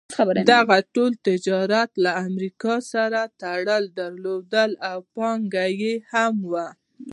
دغه ټول تجارت له امریکا سره تړاو درلود او پانګه یې هم وه.